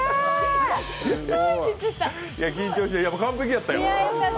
完璧やったよ。